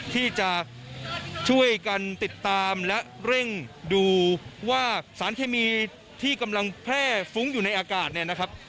ที่จะช่วยกันติดตามและเร่งดูว่าสารเคมีที่กำลังแพร่ฟุ้งอยู่ในอากาศเนี่ยนะครับ